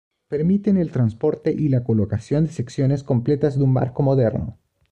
Permiten el transporte y la colocación de secciones completas de un barco moderno.